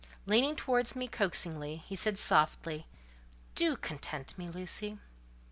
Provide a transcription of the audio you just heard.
Leaning towards me coaxingly, he said, softly, "Do content me, Lucy."